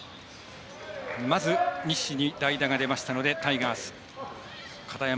まず、西に代打が出ましたのでタイガース片山